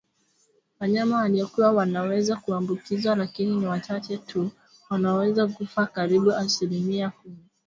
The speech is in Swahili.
Wanyama waliokua wanaweza kuambukizwa lakini ni wachache tu wanaoweza kufa karibu asilimia kumi